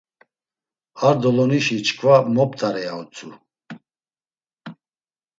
Ar dolonişi çkva moptare ya utzu.